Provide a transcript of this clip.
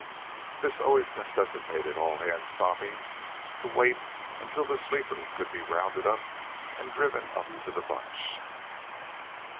This always necessitated all hands stopping to wait until the sleeper could be rounded up and driven up to the bunch.